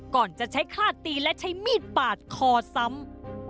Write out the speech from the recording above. ก่อนจะใช้คลาดตีและใช้มีดปาดคอซ้ำ